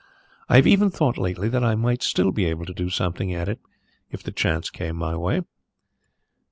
I have even thought lately that I might still be able to do something at it if the chance came my way.